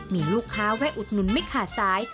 มีลูกค้าแวะอุดหนุนไม่ขาดสาย